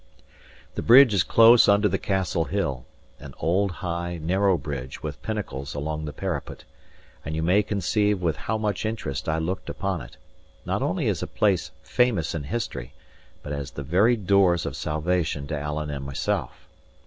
The bridge is close under the castle hill, an old, high, narrow bridge with pinnacles along the parapet; and you may conceive with how much interest I looked upon it, not only as a place famous in history, but as the very doors of salvation to Alan and myself.